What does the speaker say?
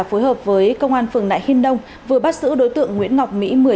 phối hợp với công an phường nại hiên đông vừa bắt giữ đối tượng nguyễn ngọc mỹ